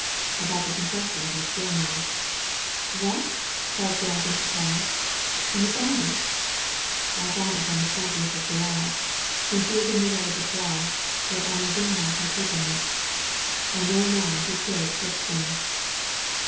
" About the confession of Miss Gilmar." " What I " cried Gcbb, in surprise. " You found it ?"* I found it on the twentieth of July, concealed in the Yellow Boudoir, where Ellen Gilmar had hidden it I know now who killed Kirkstone."